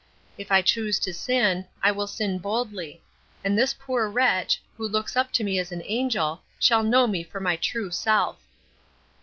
"If I choose to sin, I will sin boldly; and this poor wretch, who looks up to me as an angel, shall know me for my true self."